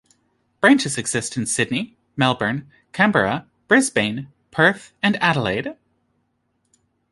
Branches exist in Sydney, Melbourne, Canberra, Brisbane, Perth and Adelaide.